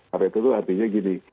pareto itu artinya gini